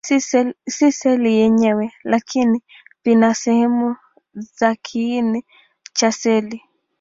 Si seli yenyewe, lakini vina sehemu za kiini cha seli.